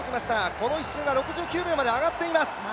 この１周が６９秒まで上がっています